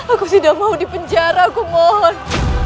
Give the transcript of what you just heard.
atas apa yang telah mereka lakukan